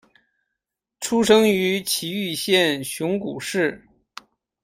出生于崎玉县熊谷市。